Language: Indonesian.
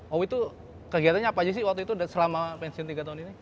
owi tuh kegiatannya apa aja sih waktu itu selama pensiun tiga tahun ini